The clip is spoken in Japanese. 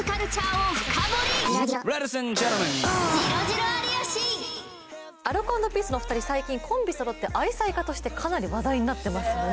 土曜深夜にアルコ＆ピースのお二人最近コンビ揃って愛妻家としてかなり話題になってますね